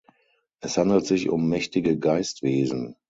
Es handelt sich um mächtige Geistwesen.